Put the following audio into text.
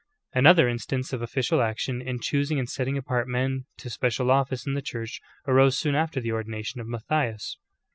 ^ 19. Another instance of official action in choosing and setting apart men to special office in the Church arose soon after the ordination of Matthias.